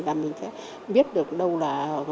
thì mình sẽ biết được đâu là